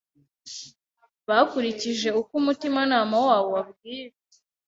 bakurikije uko umutimanama wabo ubabwira.